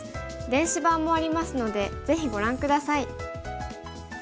電子版もありますのでぜひご覧下さい。